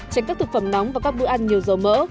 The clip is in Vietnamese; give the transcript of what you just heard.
tránh các thực phẩm nóng và các bữa ăn nhiều dầu mỡ